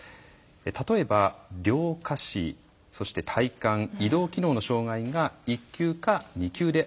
例えば両下肢・体幹移動機能の障害が１級か２級であること。